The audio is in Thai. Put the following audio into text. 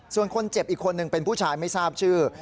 ส่วนคนเจ็บอีกคนหนึ่งเป็นผู้ชายไม่ทราบชื่อ